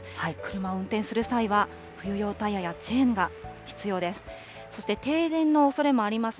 車を運転する際は、冬用タイヤやチェーンが必要です。